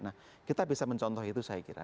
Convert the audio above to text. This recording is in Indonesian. nah kita bisa mencontoh itu saya kira